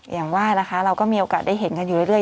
อย่างว่านะคะเราก็มีโอกาสได้เห็นกันอยู่เรื่อย